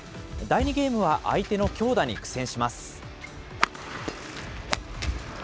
第２ゲームは相手の強打に苦戦します。